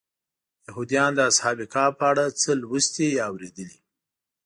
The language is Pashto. یهودیان د اصحاب کهف په اړه څه لوستي یا اورېدلي.